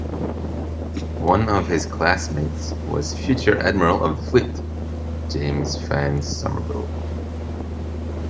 One of his classmates was future Admiral of the Fleet James Fownes Somerville.